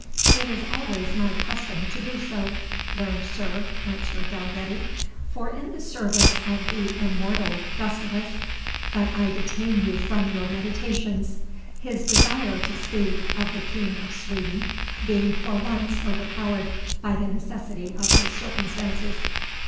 "It is always my custom to do so, learned sir," answered Dalgetty; "for in the service of the immortal Gustavus but I detain you from your meditations," his desire to speak of the King of Sweden being for once overpowered by the necessity of his circumstances.